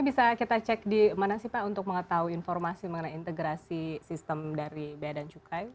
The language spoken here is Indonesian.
bisa kita cek di mana sih pak untuk mengetahui informasi mengenai integrasi sistem dari bea dan cukai